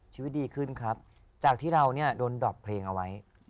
ชีวิตดีขึ้นครับจากที่เราเนี่ยโดนดอบเพลงเอาไว้